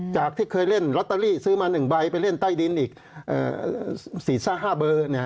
จากที่เคยเล่นลอตเตอรี่ซื้อมา๑ใบไปเล่นใต้ดินอีก๔๕เบอร์